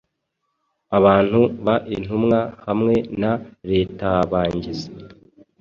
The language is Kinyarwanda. Abantu ba intumwa hamwe na retaAbangiza